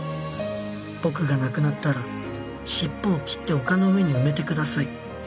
僕が亡くなったらシッポを切って丘の上に埋めてください